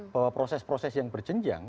bahwa proses proses yang berjenjang